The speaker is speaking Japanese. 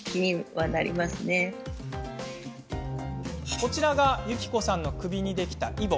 こちらが、ゆきこさんの首にできたイボ。